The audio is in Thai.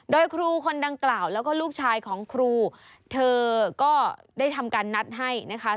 โดยครูคนดังกล่าวแล้วก็ลูกชายของครูเธอก็ได้ทำการนัดให้นะคะ